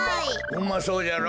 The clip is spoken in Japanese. うまそうじゃろ。